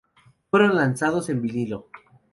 Fueron lanzados en vinilo.